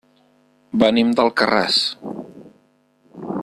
Venim d'Alcarràs.